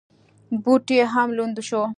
بوټ یې هم لوند شو.